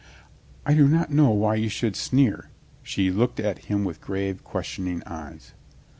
"I do not know why you should sneer?" she looked at him with grave, questioning eyes.